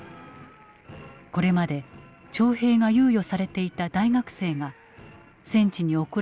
これまで徴兵が猶予されていた大学生が戦地に送られることになった。